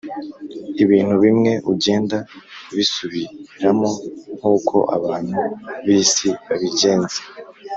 ibintu bimwe ugenda ubisubiramo nkuko abantu bisi babigenza